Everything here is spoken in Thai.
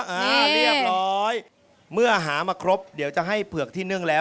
อ่าเรียบร้อยเมื่อหามาครบเดี๋ยวจะให้เผือกที่นึ่งแล้ว